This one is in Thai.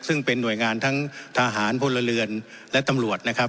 ซึ่งเป็นหน่วยงานทั้งทหารพลเรือนและตำรวจนะครับ